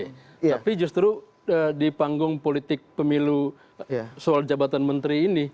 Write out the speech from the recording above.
tapi justru di panggung politik pemilu soal jabatan menteri ini